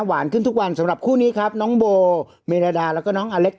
ขึ้นทุกวันสำหรับคู่นี้ครับน้องโบเมรดาแล้วก็น้องอเล็ก